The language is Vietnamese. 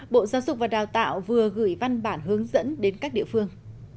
bộ giáo dục và đào tạo vừa gửi văn bản hướng dẫn đến các địa phương